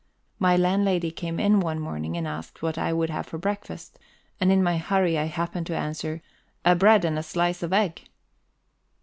My landlady came in one morning and asked what I would have for breakfast, and in my hurry I happened to answer: "A bread and a slice of egg."